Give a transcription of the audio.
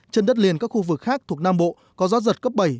trên đất liền các khu vực khác thuộc nam bộ có gió giật cấp bảy